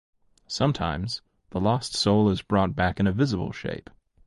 Sometimes the lost soul is brought back in a visible shape.